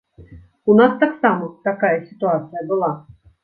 У нас таксама такая сітуацыя была.